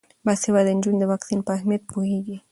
باسواده نجونې د واکسین په اهمیت پوهیږي.